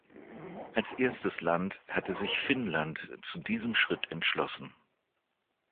Als erstes Land hatte sich Finnland zu diesem Schritt entschlossen.